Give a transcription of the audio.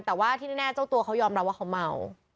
แต่ว่าที่แน่เจ้าตัวเขายอมรับว่าเขาเมา